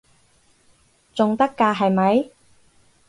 仲得㗎係咪？